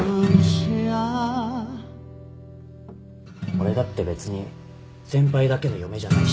俺だって別に先輩だけの嫁じゃないし